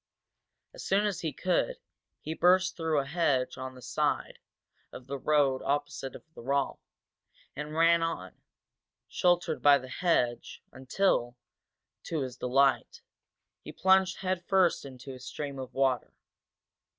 As soon as he could, he burst through a hedge on the side of the road opposite the wall, and ran on, sheltered by the hedge until, to his delight, he plunged headfirst into a stream of water.